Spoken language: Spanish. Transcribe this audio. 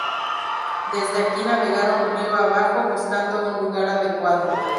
Desde aquí navegaron río abajo buscando un lugar adecuado.